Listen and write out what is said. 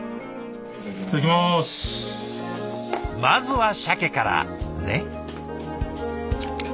まずはしゃけからね。